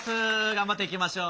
頑張っていきましょう。